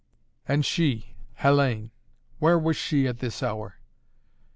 And she Hellayne where was she at this hour?